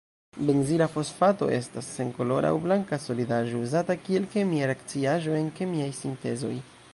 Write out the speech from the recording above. Benzila fosfato estas senkolora aŭ blanka solidaĵo, uzata kiel kemia reakciaĵo en kemiaj sintezoj.